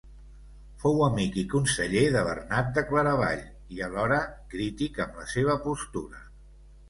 Fou amic i conseller de Bernat de Claravall i alhora, crític amb la seva postura.